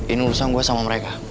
ini urusan gue sama mereka